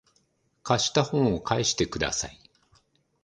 貸した本を返してください